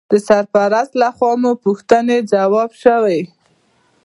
د سرپرست لخوا مو پوښتنې ځواب شوې.